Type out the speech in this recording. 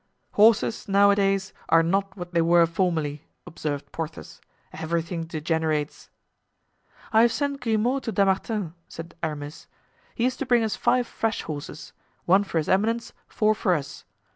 "Horses, nowadays, are not what they were formerly," observed Porthos; "everything degenerates." "I have sent Grimaud to Dammartin," said Aramis. "He is to bring us five fresh horses—one for his eminence, four for us.